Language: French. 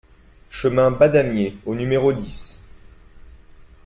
Chemin Badamier au numéro dix